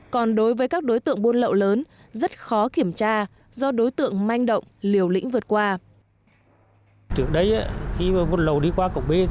còn đối với các đối tượng buôn lậu lớn rất khó kiểm tra do đối tượng manh động liều lĩnh vượt qua